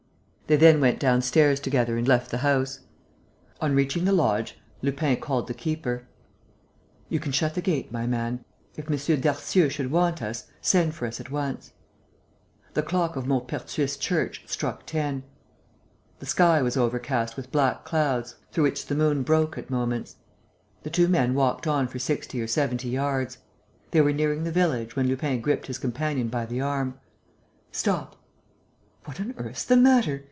They then went downstairs together and left the house. On reaching the lodge, Lupin called the keeper. "You can shut the gate, my man. If M. Darcieux should want us, send for us at once." The clock of Maupertuis church struck ten. The sky was overcast with black clouds, through which the moon broke at moments. The two men walked on for sixty or seventy yards. They were nearing the village, when Lupin gripped his companion by the arm: "Stop!" "What on earth's the matter?"